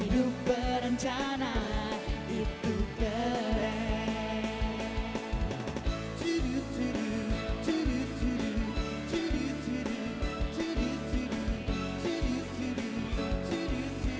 hidup berencana itu keren